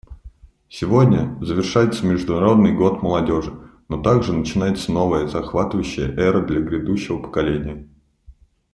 Сегодня завершается Международный год молодежи, но также начинается новая, захватывающая эра для грядущего поколения.